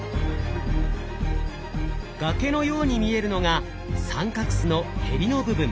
崖のように見えるのが三角州のへりの部分。